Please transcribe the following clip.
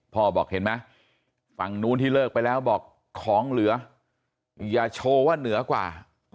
บอกเห็นไหมฝั่งนู้นที่เลิกไปแล้วบอกของเหลืออย่าโชว์ว่าเหนือกว่า